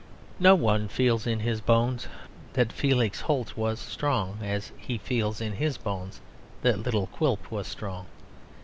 No one feels in his bones that Felix Holt was strong as he feels in his bones that little Quilp was strong.